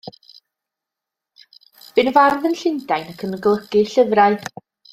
Bu'n fardd yn Llundain ac yn golygu llyfrau.